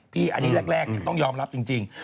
อันนี้แรกต้องยอมรับจริง